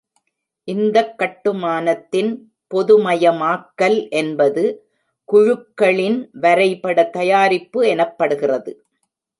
இந்தக் கட்டுமானத்தின் பொதுமயமாக்கல் என்பது குழுக்களின் வரைபட தயாரிப்பு எனப்படுகிறது.